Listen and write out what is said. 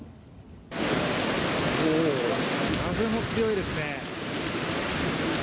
風も強いですね。